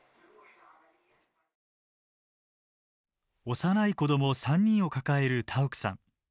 幼い子ども３人を抱えるタウクさん。